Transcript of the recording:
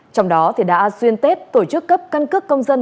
trong đó thì đã xuyên tết tổ chức cấp căn cức công dân